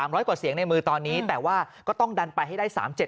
ร้อยกว่าเสียงในมือตอนนี้แต่ว่าก็ต้องดันไปให้ได้๓๗